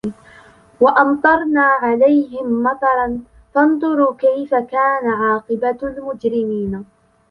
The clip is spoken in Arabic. وَأَمْطَرْنَا عَلَيْهِمْ مَطَرًا فَانْظُرْ كَيْفَ كَانَ عَاقِبَةُ الْمُجْرِمِينَ